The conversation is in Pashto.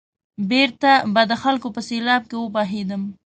بېرته به د خلکو په سېلاب کې وبهېدم.